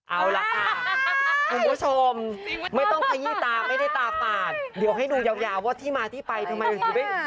เอาล่ะค่ะคุณผู้ชมไม่ต้องขยี้ตาไม่ได้ตาฝาดเดี๋ยวให้ดูยาวว่าที่มาที่ไปทำไมถึงไม่